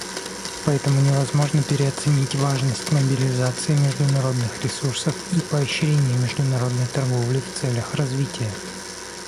Поэтому невозможно переоценить важность мобилизации международных ресурсов и поощрения международной торговли в целях развития.